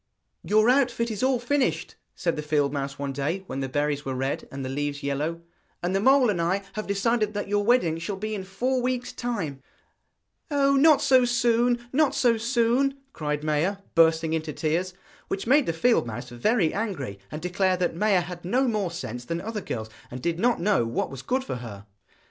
'Your outfit is all finished,' said the field mouse one day when the berries were red and the leaves yellow, 'and the mole and I have decided that your wedding shall be in four weeks' time.' [Illustration: MAIA AND THE SPIDERS IN THE EVENING] 'Oh, not so soon! not so soon!' cried Maia, bursting into tears; which made the field mouse very angry, and declare that Maia had no more sense than other girls, and did not know what was good for her.